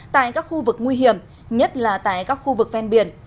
tại các khu vực nguy hiểm nhất là tại các khu vực ven biển